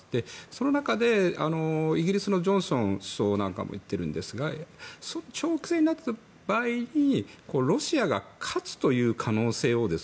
その中でイギリスのジョンソン首相なんかも言ってるんですが長期戦になった場合ロシアが勝つという可能性。